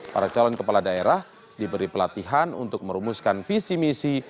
para calon kepala daerah diberi pelatihan untuk merumuskan visi misi